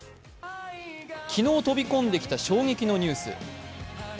昨日飛び込んできた衝撃のニュース。